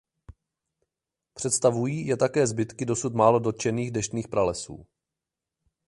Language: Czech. Představují je také zbytky dosud málo dotčených deštných pralesů.